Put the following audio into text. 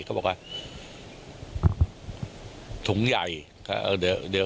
เขาบอกว่าถุงใหญ่เดี๋ยวเขาเข้าไปแย่นี่อีกที